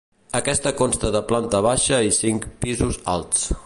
Aquesta consta de planta baixa i cinc pisos alts.